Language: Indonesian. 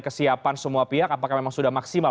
kesiapan semua pihak apakah memang sudah maksimal